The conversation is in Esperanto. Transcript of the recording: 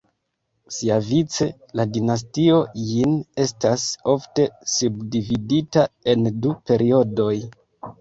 Siavice, la Dinastio Jin estas ofte subdividita en du periodoj.